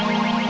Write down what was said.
oh udah darigru